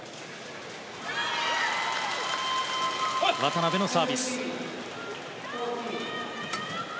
渡辺のサービス。